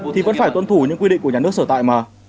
thì vẫn phải tuân thủ những quy định của nhà nước sở tại mà